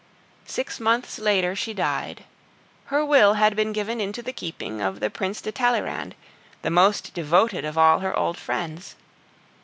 Six months later she died. Her will had been given into the keeping of the Prince de Talleyrand, the most devoted of all her old friends.